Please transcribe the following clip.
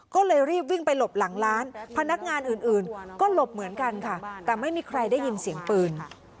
ก็เลยรีบวิ่งไปหลบหลังร้านพนักงานอื่นก็หลบเหมือนกันค่ะแต่ไม่มีใครได้ยินเสียงปืน